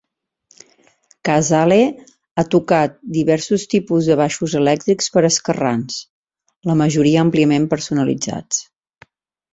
Casale ha tocat diversos tipus de baixos elèctrics per a esquerrans, la majoria àmpliament personalitzats.